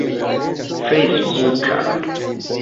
fejsbuka